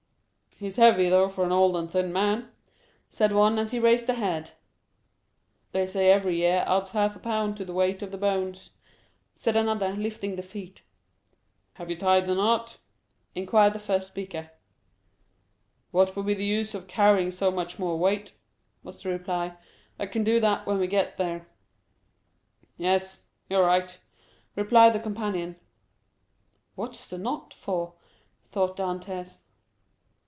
"He's heavy, though, for an old and thin man," said one, as he raised the head. "They say every year adds half a pound to the weight of the bones," said another, lifting the feet. "Have you tied the knot?" inquired the first speaker. "What would be the use of carrying so much more weight?" was the reply, "I can do that when we get there." "Yes, you're right," replied the companion. "What's the knot for?" thought Dantès.